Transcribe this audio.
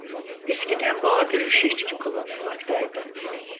Eskiden boğa güreşi için kullanılmaktaydı.